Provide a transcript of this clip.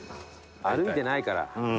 歩いてないから。